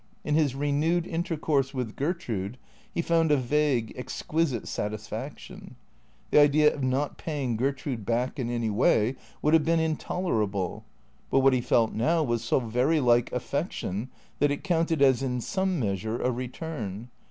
In his renewed intercourse with Gertrude he found a vague, exquisite satisfaction. The idea of not paying Gertrude back in any way would have been intolerable; but what he felt now was so very like affection that it counted as in some measure a return.